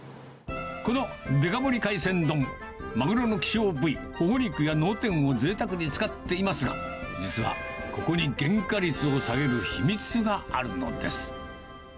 このデカ盛り海鮮丼、マグロの希少部位、ほほ肉や脳天をぜいたくに使っていますが、実はここに原価率を下げる秘密があるのです。